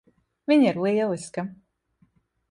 Viņa ir lieliska.